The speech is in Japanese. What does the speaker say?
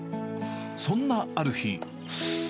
そんなある日。